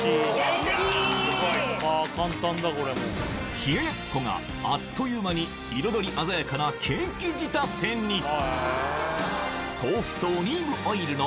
冷奴があっという間に彩り鮮やかなケーキ仕立てにうん！